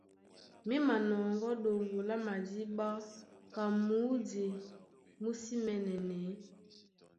Mí manɔŋgɔ́ ɗoŋgo lá madíɓá ka mǔdi mú sí mɛɛ̄nɛnɛɛ́.